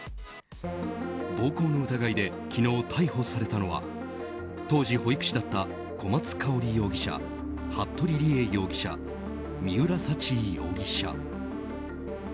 暴行の疑いで昨日逮捕されたのは当時、保育士だった小松香織容疑者服部理江容疑者、三浦沙知容疑者。